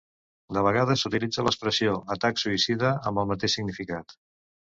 De vegades s'utilitza l'expressió atac suïcida amb el mateix significat.